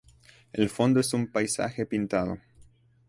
El fondo es un paisaje pintado.